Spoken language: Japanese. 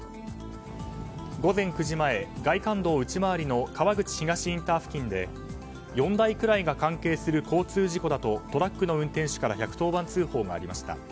午前９時前、外環道内回りの川口東インター付近で４台くらいが関係する交通事故だとトラックの運転手から１１０番通報がありました。